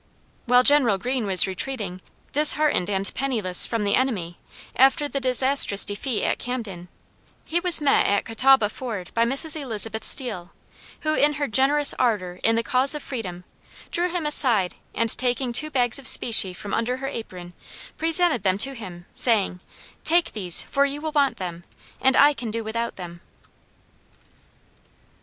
While General Greene was retreating, disheartened and penniless, from the enemy, after the disastrous defeat at Camden, he was met at Catawba ford by Mrs. Elizabeth Steele, who, in her generous ardor in the cause of freedom, drew him aside, and, taking two bags of specie from under her apron, presented them to him, saying, "Take these, for you will want them, and I can do without them."